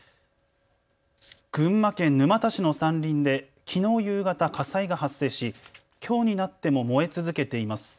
群馬県沼田市の山林できのう夕方、火災が発生し、きょうになっても燃え続けています。